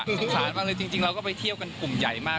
คือสงสารมากเลยจริงเราก็ไปเที่ยวกันกลุ่มใหญ่มาก